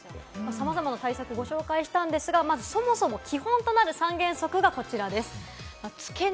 さまざまな対策をご紹介したんですが、そもそも基本となる３原則がこちらです。